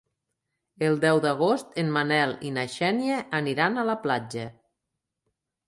El deu d'agost en Manel i na Xènia aniran a la platja.